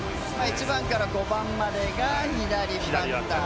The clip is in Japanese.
１番から５番までが左バッター